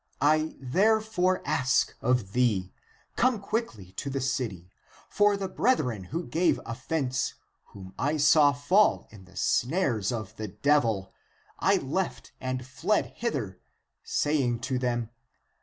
I therefore ask of thee, come quickly to the city. For the brethren who gave offence, whom I saw fall into the snares of the devil, I left and fled hither, saying to them.